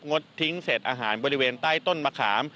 ดทิ้งเศษอาหารบริเวณใต้ต้นมะขาม